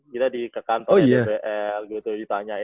kita di ke kantor dbl gitu ditanyain